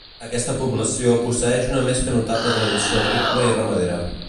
Aquesta població posseïx una més que notable tradició agrícola i ramadera.